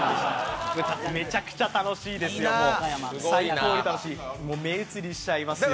めちゃくちゃ楽しいですよ、最高に楽しい、目移りしちゃいますよ。